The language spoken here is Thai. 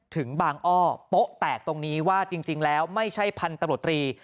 ถึงบางอ้อโป๊ะแตกตรงนี้ว่าจริงแล้วไม่ใช่พันธุ์ตำรวจตรี